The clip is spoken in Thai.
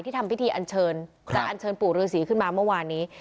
ทำพิธีอันเชิญจะอันเชิญปู่ฤษีขึ้นมาเมื่อวานนี้